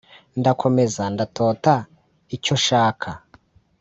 ndakomeza ndatota icyo nshaka